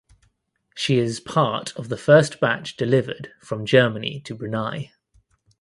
She is part of the first batch delivered from Germany to Brunei.